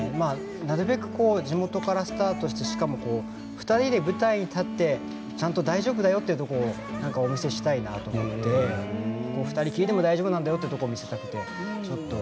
なるべく地元からスタートして、２人で舞台に立ってちゃんと大丈夫だよということをお見せしたいなと思って２人でも大丈夫だよというところを見せたいという感じです。